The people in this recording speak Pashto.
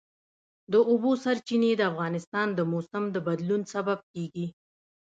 د اوبو سرچینې د افغانستان د موسم د بدلون سبب کېږي.